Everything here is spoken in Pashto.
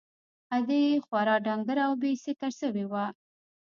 ادې خورا ډنگره او بې سېکه سوې وه.